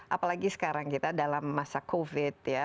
apalagi sekarang kita dalam masa covid ya